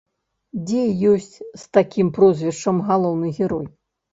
Дзе ёсць з такім прозвішчам галоўны герой?